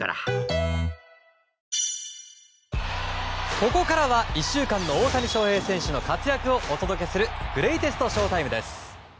ここからは１週間の大谷翔平選手の活躍をお伝えするグレイテストＳＨＯ‐ＴＩＭＥです。